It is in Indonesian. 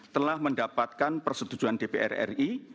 telah mendapatkan persetujuan dpr ri